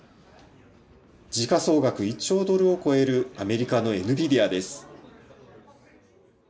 時価総額１兆ドルを超える、アメリカのエヌビディアです。